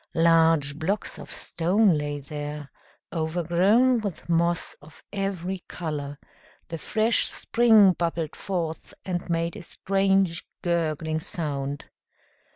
Large blocks of stone lay there, overgrown with moss of every color; the fresh spring bubbled forth, and made a strange gurgling sound.